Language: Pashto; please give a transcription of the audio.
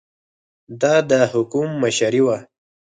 دا د حکم مشري وه.